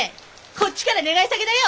こっちから願い下げだよ！